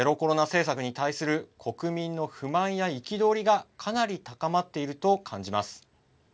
政策に対する国民の不満や憤りがかなり高まっていると感じます。